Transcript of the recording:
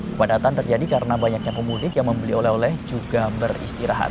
kepadatan terjadi karena banyaknya pemudik yang membeli oleh oleh juga beristirahat